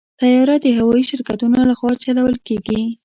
طیاره د هوايي شرکتونو لخوا چلول کېږي.